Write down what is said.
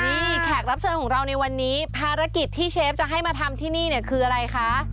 นี่แขกรับเชิญของเราในวันนี้ภารกิจที่เชฟจะให้มาทำที่นี่เนี่ยคืออะไรคะ